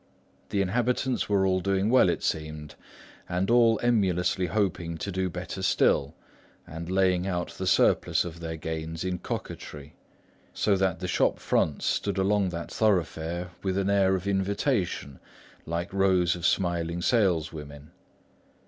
The inhabitants were all doing well, it seemed and all emulously hoping to do better still, and laying out the surplus of their grains in coquetry; so that the shop fronts stood along that thoroughfare with an air of invitation, like rows of smiling saleswomen.